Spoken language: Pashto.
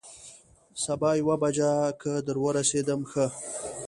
سبا یوه بجه که در ورسېدم، ښه.